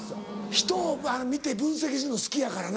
ひとを見て分析するの好きやからな。